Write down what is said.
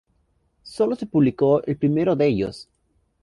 Solo se publicó el primero de ellos.